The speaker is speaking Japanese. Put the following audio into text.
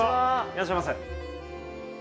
いらっしゃませ。